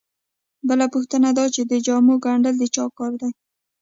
بله پوښتنه دا چې د جامو ګنډل د چا کار دی